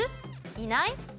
いない？